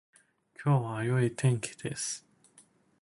今日は良い天気です